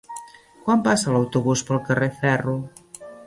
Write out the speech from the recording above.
Quan passa l'autobús pel carrer Ferro?